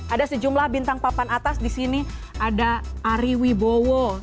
ada sejumlah bintang papan atas di sini ada ari wibowo